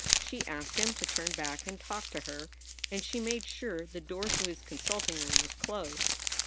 She asked him to turn back and talk to her. And she made sure that the door to his consulting room was closed.